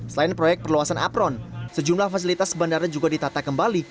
selain proyek perluasan apron sejumlah fasilitas bandara juga ditata kembali